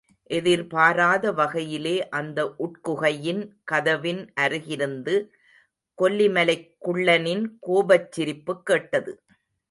எதிர்பாராத வகையிலே அந்த உட்குகையின் கதவின் அருகிருந்து கொல்லிமலைக் குள்ளனின் கோபச்சிரிப்புக் கேட்டது.